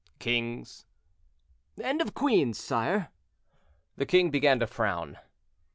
"Kings?" "And of queens, sire." The king began to frown.